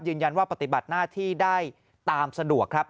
ยืนยันว่าปฏิบัติหน้าที่ได้ตามสะดวกครับ